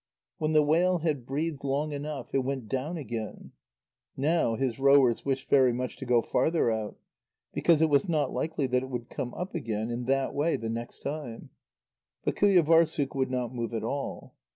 When the whale had breathed long enough, it went down again. Now his rowers wished very much to go farther out, because it was not likely that it would come up again in that way the next time. But Qujâvârssuk would not move at all.